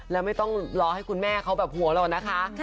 แล้วไม่ต้องรอให้คุณแม่เขาแบบหัวเราะนะคะ